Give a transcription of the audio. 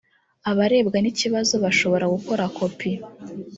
abarebwa n ikibazo bashobora kugura kopi